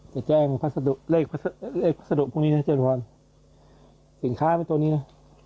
จะแจ้งภาษาดุเลขภาษาดุพรุ่งนี้นะเจอร์ฟอร์นสินค้าไปตัวนี้นะ